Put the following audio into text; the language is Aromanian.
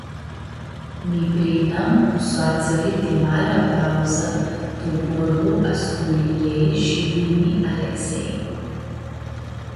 Mi-priimnam cu soatsãli ti marea pauzã tu uborlu a sculiiljei shi vini Alexei.